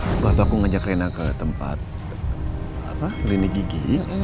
waktu aku ngajak rena ke tempat klinik gigi